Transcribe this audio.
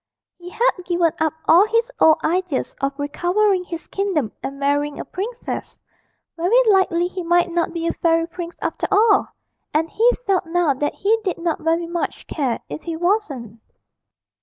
He had given up all his old ideas of recovering his kingdom and marrying a princess very likely he might not be a fairy prince after all, and he felt now that he did not very much care if he wasn't.